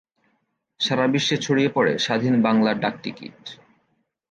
সারা বিশ্বে ছড়িয়ে পড়ে স্বাধীন বাংলার ডাকটিকিট।